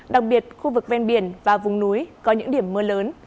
đặc biệt khu vực ven biển và vùng núi có những điểm mưa lớn